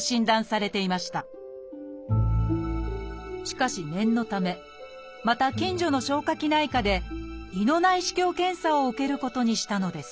しかし念のためまた近所の消化器内科で胃の内視鏡検査を受けることにしたのです。